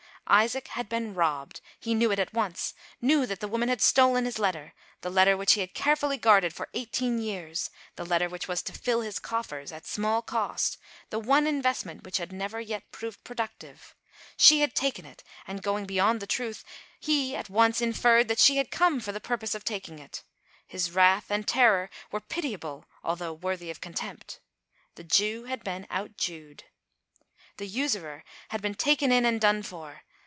Isaac had been robbed. He knew it at once : knew that the woman had stolen his letter, the letter which he had carefully guarded eighteen years, the letter which was to fill his coffers, at small cost, the one investment, which had never yet proved productive. She had taken it, and, going beyond the truth, he, at once, inferred that she had come for the purpose of taking it. His wrath and terror were pitiable, although worthy of con tempt. The Jew had been out Jewed. The usurer had been " taken in and done for."